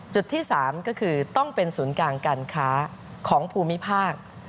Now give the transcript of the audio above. จุดที่๓ก็คือต้องเป็นศูนย์กลางการค้าของภูมิภาค